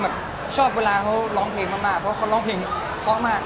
ผมเป็นคนชอบเวลาเขาร้องเพลงมากเพราะเขาร้องเพลงท็อคมาก